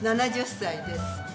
７０歳です。